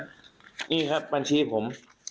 นี่ครับบัญชีผม